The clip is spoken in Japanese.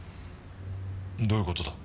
どういう事だ？